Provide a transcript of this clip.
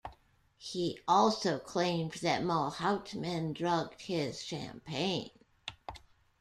He also claimed that Mol-Houteman drugged his champagne.